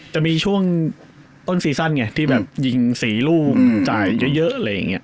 จะมีช่วงต้นซีซั่นไงที่แบบหญิง๔รูปจ่ายเยอะ